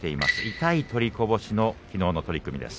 痛い取りこぼしのきのうの取組です。